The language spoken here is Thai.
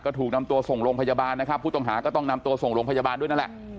ถูกนำตัวส่งโรงพยาบาลนะครับผู้ต้องหาก็ต้องนำตัวส่งโรงพยาบาลด้วยนั่นแหละ